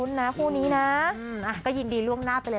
แล้วก็มีอะไรก็อัปเดตเขาอยู่เสมอ